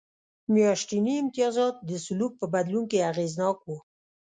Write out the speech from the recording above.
میاشتني امتیازات د سلوک په بدلون کې اغېزناک و